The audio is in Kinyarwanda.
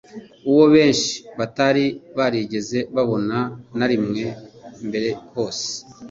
uwo benshi batari barigeze babona na rimwe mbere hose.